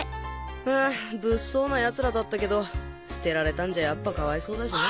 あぁ物騒なやつらだったけど捨てられたんじゃやっぱ可哀想だしな。